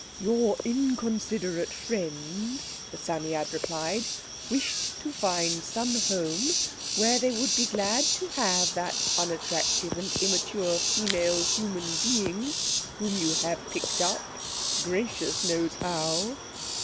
"Your inconsiderate friend," the Psammead replied, "wished to find some home where they would be glad to have that unattractive and immature female human being whom you have picked up—gracious knows how.